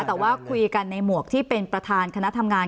แต่ว่าคุยกันในหมวกที่เป็นประธานคณะทำงาน